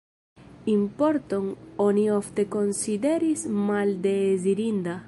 Importon oni ofte konsideris maldezirinda.